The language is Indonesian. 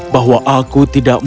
bahwa aku tidak mau